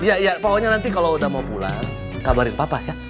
iya ya pokoknya nanti kalau udah mau pulang kabarin papa ya